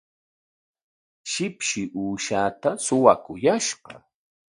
Shipshi uushaata suwakuyashqa.